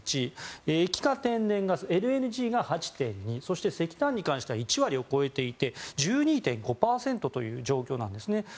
液化天然ガス・ＬＮＧが８．２％そして、石炭に関しては１割を超えていて１２．５％という状況です。